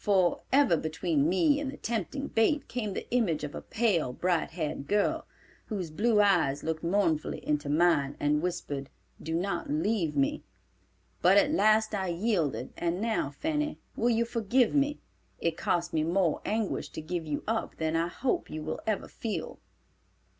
For, ever between me and the tempting bait came the image of a pale, bright haired girl, whose blue eyes looked mournfully into mine and whispered, 'Do not leave me.' But at last I yielded, and now, Fanny, will you forgive me? It cost me more anguish to give you up than I hope you will ever feel.